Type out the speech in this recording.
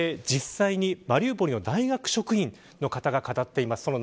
実際にマリウポリの大学職員の方が語っています。